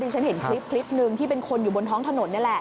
ฉันเห็นคลิปหนึ่งที่เป็นคนอยู่บนท้องถนนนี่แหละ